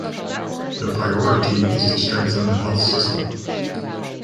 The priority is to strengthen the health system.